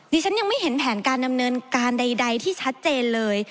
ฉันยังไม่เห็นแผนการดำเนินการใดที่ชัดเจนเลย